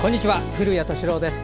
古谷敏郎です。